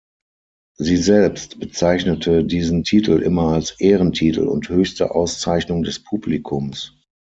Sie selbst bezeichnete diesen Titel immer als „Ehrentitel“ und „höchste Auszeichnung des Publikums“.